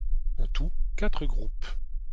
En tout quatre groupes.